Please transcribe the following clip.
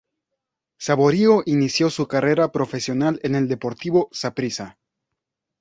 Saborío inició su carrera profesional en el Deportivo Saprissa.